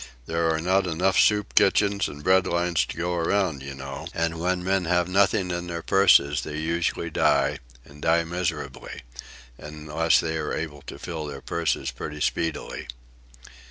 There are not enough soup kitchens and bread lines to go around, you know, and when men have nothing in their purses they usually die, and die miserably—unless they are able to fill their purses pretty speedily."